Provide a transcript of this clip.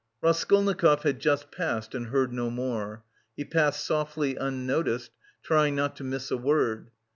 Raskolnikov had just passed and heard no more. He passed softly, unnoticed, trying not to miss a word.